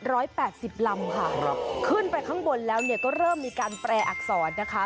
แปดสิบลำค่ะครับขึ้นไปข้างบนแล้วเนี่ยก็เริ่มมีการแปลอักษรนะคะ